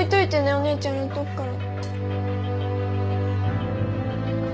お姉ちゃんやっとくから。